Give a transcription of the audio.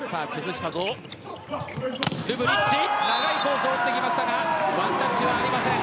ルブリッチ長いコースを打ってきましたがワンタッチはありません。